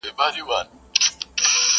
چي له مځکي تر اسمانه پاچاهان یو!.